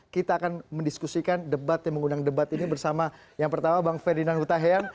kita akan mendiskusikan debat yang mengundang debat ini bersama yang pertama bang ferdinand hutahian